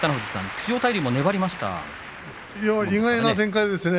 千代大龍、粘りましたね。